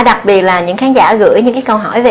đặc biệt là những khán giả gửi những cái câu hỏi về